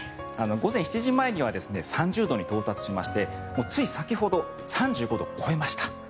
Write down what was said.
午前７時前には３０度に到達しましてもう、つい先ほど３５度を超えました。